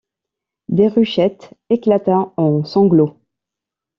Déruchette éclata en sanglots.